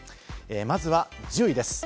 まずは１０位です。